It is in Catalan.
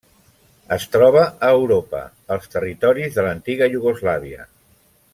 Es troba a Europa: els territoris de l'antiga Iugoslàvia.